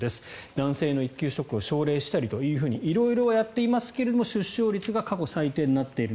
男性の育休取得を奨励したりと色々やっていますけれど出生率が過去最低になっている。